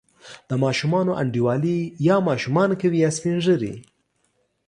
د ماشومانو انډیوالي یا ماشومان کوي، یا سپین ږیري.